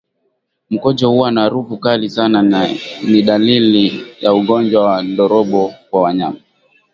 Mkojo kuwa na harufu kali sana ni dalili ya ugonjwa wa ndorobo kwa mnyama